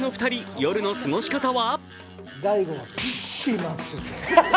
夜の過ごし方は？